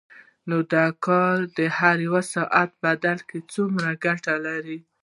نو دغه کارګر د هر یوه ساعت په بدل کې څومره ګټي